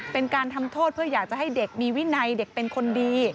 เป็นการทำโทษเพื่ออยากจะให้เด็กมีวินัยเด็กเป็นคนดี